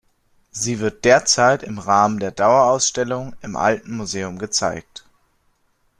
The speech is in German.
Sie wird derzeit im Rahmen der Dauerausstellung im Alten Museum gezeigt.